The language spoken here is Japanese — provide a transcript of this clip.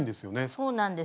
そうなんです。